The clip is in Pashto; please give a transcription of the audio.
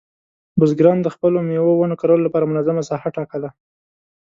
بزګران د خپلو مېوې ونو کرلو لپاره منظمه ساحه ټاکله.